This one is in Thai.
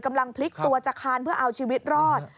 กำลังพลิกตัวจะคานเพื่อเอาชีวิตรอด